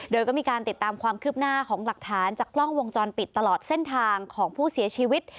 โดยก็มีการติดตามความคืบหน้าของหลักฐานจากกล้องวงจรปิดตลอดเส้นทางของผู้เสียชีวิต